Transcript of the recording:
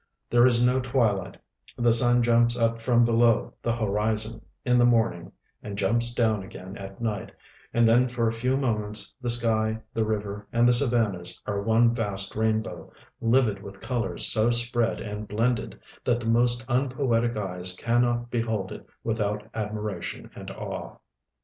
There is no twilight ; the sun jumps up from below the horizon in the morn ing and jumps down again at night, and then tor a few moments the sky, the river, and the savannahs are one vast rainbow, livid with colors so spread and blended that the most unpoetic eyes cannot behold it without admiration and awe.